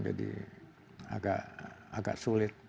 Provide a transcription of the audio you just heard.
jadi agak sulit